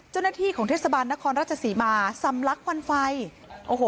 เจ้าหน้าที่ของเทศบาลนครราชสีมาสำลักควันไฟโอ้โห